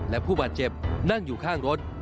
และผู้บาดเจ็บนั่งอยู่ข้างรถ